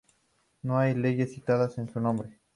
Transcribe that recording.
No hay leyes citadas en su nombre".